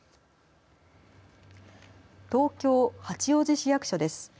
東京、八王子市役所です。